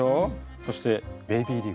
そしてベビーリーフ。